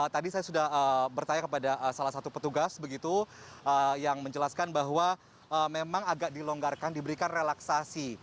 tadi saya sudah bertanya kepada salah satu petugas begitu yang menjelaskan bahwa memang agak dilonggarkan diberikan relaksasi